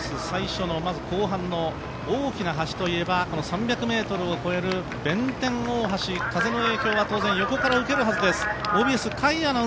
最初の後半の大きな橋といえばこの３００ｍを超える弁天大橋、風の影響は横から受けるはずです